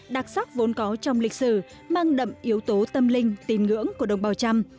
đặc sắc vốn có trong lịch sử mang đậm yếu tố tâm linh tín ngưỡng của đồng bào trăm